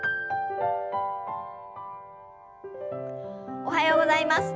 おはようございます。